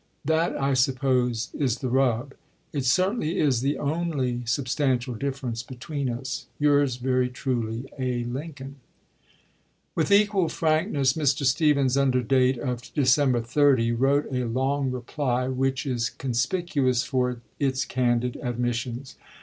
That, I suppose, is the rub. Stephens It certainly is the only substantial difference between us. JJ5S5 Yours very truly, states," A. Lincoln. VoL II., p. With equal frankness Mr. Stephens, under date of December 30, wrote a long reply, which is con spicuous for its candid admissions.